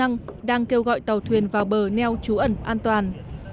các cơ quan chức năng đang kêu gọi tàu thuyền vào bờ neo trú ẩn an toàn